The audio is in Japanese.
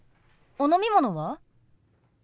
お飲み物は？